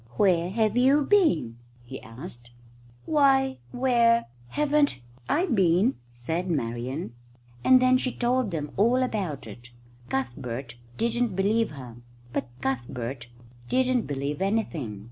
"Where have you been?" he asked. "Why, where haven't I been?" said Marian, and then she told them all about it. Cuthbert didn't believe her. But Cuthbert didn't believe anything.